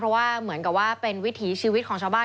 เพราะว่าเหมือนกับว่าเป็นวิถีชีวิตของชาวบ้าน